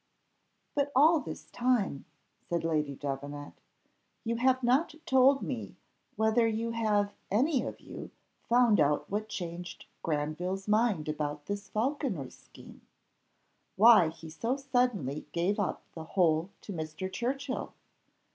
"But all this time," said Lady Davenant, "you have not told me whether you have any of you found out what changed Granville's mind about this falconry scheme why he so suddenly gave up the whole to Mr. Churchill.